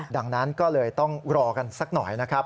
ดังนั้นก็เลยต้องรอกันสักหน่อยนะครับ